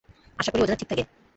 আশা করি ও যেন ঠিক থাকে।